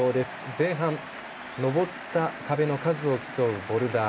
前半、登った壁の数を競うボルダー。